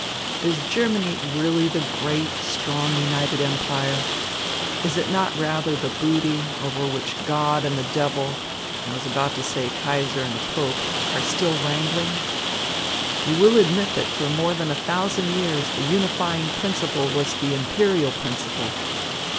Is Germany really the great, strong, united Empire? Is it not rather the booty over which God and the devil I was about to say the Kaiser and the Pope are still wrangling? You will admit that for more than a thousand years, the unifying principle was the imperial principle.